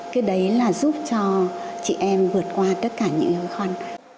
cái đấy là giúp cho chị em vượt qua tất cả những khó khăn